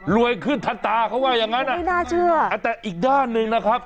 ขึ้นทันตาเขาว่าอย่างงั้นอ่ะไม่น่าเชื่อแต่อีกด้านหนึ่งนะครับ